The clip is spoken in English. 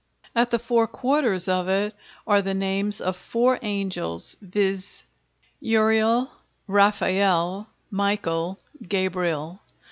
At the four quarters of it are the names of four angels, viz: Uriel, Raphael, Michael, Gabriel.